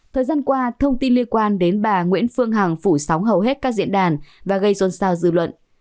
thời gian qua thông tin liên quan đến bà nguyễn phương hằng phủ sóng hầu hết các diễn đàn và gây xôn xao dư luận